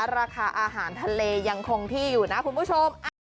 ราคาอาหารทะเลยังคงที่อยู่นะคุณผู้ชม